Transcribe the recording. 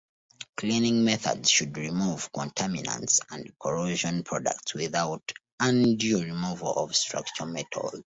Cleaning methods should remove contaminants and corrosion products without undue removal of structural metal.